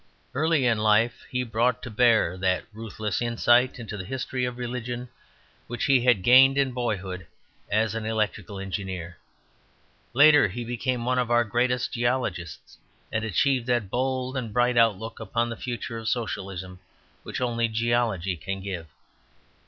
Early in life he brought to bear that ruthless insight into the history of religions which he had gained in boyhood as an electrical engineer. Later he became one of our greatest geologists; and achieved that bold and bright outlook upon the future of Socialism which only geology can give.